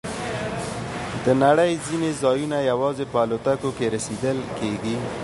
د نړۍ ځینې ځایونه یوازې په الوتکو کې رسیدل کېږي.